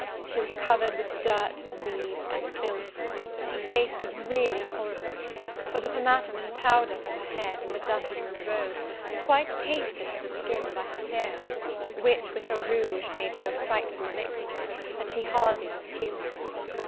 She was covered with dirt, weeds, and filth, and her face was really horrible; for the pomatum and powder from her head, and the dust from the road, were quite pasted on her skin by her tears, which, with her rouge, made so frightful a mixture, that she hardly looked human.